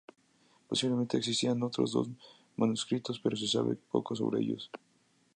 Posiblemente existían otros dos manuscritos pero se sabe poco sobre ellos.